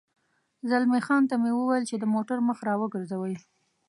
زلمی خان ته مې وویل چې د موټر مخ را وګرځوي.